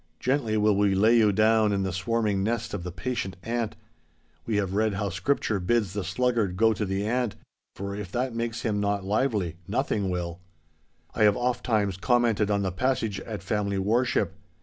Gently will we lay you down in the swarming nest of the patient ant. We have read how Scripture bids the sluggard go to the ant, for if that makes him not lively, nothing will. I have ofttimes commented on the passage at family worship.